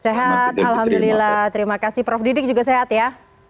sehat alhamdulillah terima kasih prof didik juga sehat ya